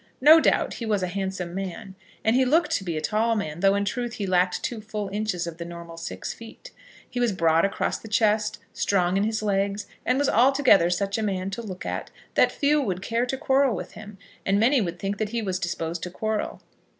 No doubt he was a handsome man. And he looked to be a tall man, though in truth he lacked two full inches of the normal six feet. He was broad across the chest, strong on his legs, and was altogether such a man to look at that few would care to quarrel with him, and many would think that he was disposed to quarrel.